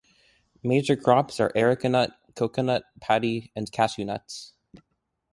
Major crops are arecanut, coconut, paddy and cashew nuts.